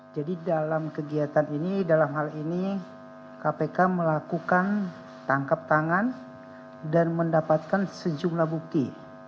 jadi dalam kegiatan ini dalam hal ini kpk melakukan tangkap tangan dan mendapatkan sejumlah bukti